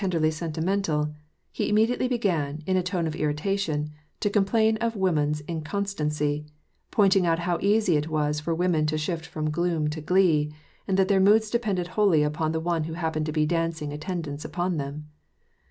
329 derly sentimental, he immediately began, in a tone of irrita tion, to complain of woman's inconstancy : pointing out how easy it was for women to shift from* gloom to glee ; and that their moods depended wholly upon the one who happened to be dancing attendance upon them.